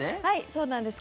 そうなんです。